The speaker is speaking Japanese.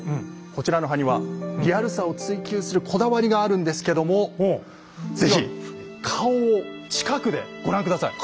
こちらの埴輪リアルさを追求するこだわりがあるんですけども是非顔を近くでご覧下さい。